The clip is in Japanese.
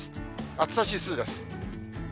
暑さ指数です。